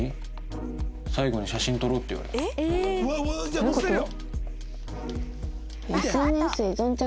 うわっじゃあ載せてるよ。